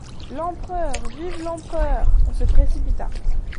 L'Empereur !… vive l'Empereur !… On se précipita.